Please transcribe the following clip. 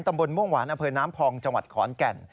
ตำบลม่วงหวานอำเภอน้ำพองจังหวัดขอนแก่น